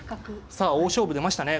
さあ大勝負出ましたね